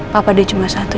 papa dia cuma satu